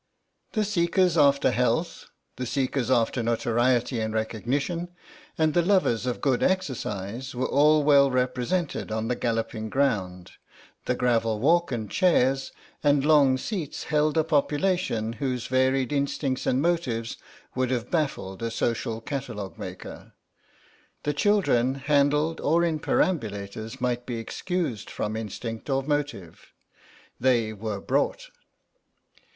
The seekers after health, the seekers after notoriety and recognition, and the lovers of good exercise were all well represented on the galloping ground; the gravel walk and chairs and long seats held a population whose varied instincts and motives would have baffled a social catalogue maker. The children, handled or in perambulators, might be excused from instinct or motive; they were brought.